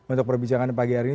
untuk perbincangan pagi hari ini